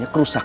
ya gak boleh